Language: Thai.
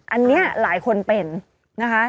อันนี้หลายคนเป็นนะคะ